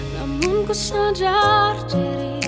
namun ku sadar diri